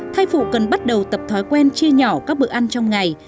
thai phụ cần bắt đầu tập thói quen chia nhỏ các bữa ăn trong ngày